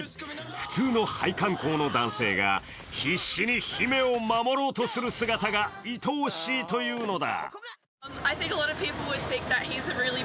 普通の配管工の男性が必死に姫を守ろうとする姿が愛おしいというのだ。